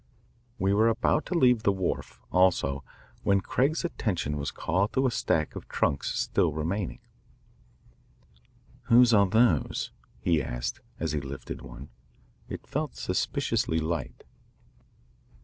We were about to leave the wharf, also, when Craig's attention was called to a stack of trunks still remaining. "Whose are those?" he asked as he lifted one. It felt suspiciously light.